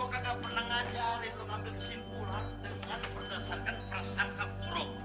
gue kagak pernah ngajarin lo ngambil kesimpulan dengan berdasarkan pak sangka buruk